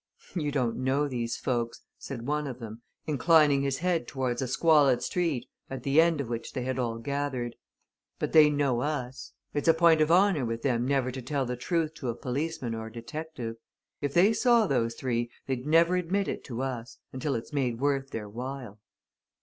"You don't know these folks," said one of them, inclining his head towards a squalid street at the end of which they had all gathered. "But they know us. It's a point of honour with them never to tell the truth to a policeman or a detective. If they saw those three, they'd never admit it to us until it's made worth their while."